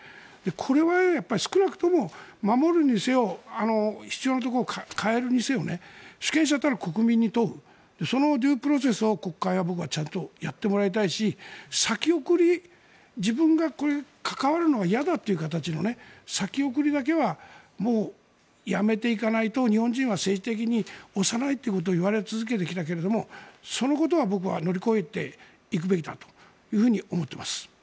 これは少なくとも守るにせよ必要なところを変えるにせよ主権者る国民に問うそのデュー・プロセスを国会はちゃんとやってもらいたいし自分が関わるのが嫌だという形の先送りだけはやめていかないと日本人は政治的に幼いということを言われ続けてきたけどそのことは僕は乗り越えていくべきだと思っています。